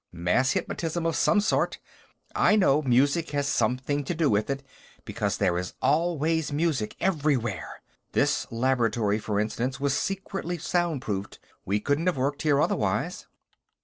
Mass hypnotism of some sort. I know music has something to do with it, because there is always music, everywhere. This laboratory, for instance, was secretly soundproofed; we couldn't have worked here, otherwise."